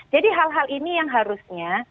jadi hal hal ini yang harusnya